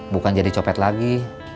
bukan jadi copet lagi